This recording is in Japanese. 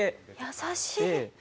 優しい！